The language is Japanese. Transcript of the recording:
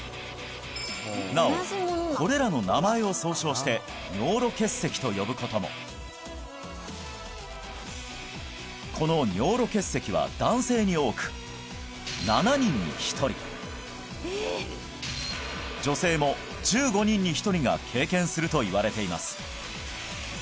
なおこれらの名前を総称して尿路結石と呼ぶこともこの尿路結石は男性に多くが経験するといわれています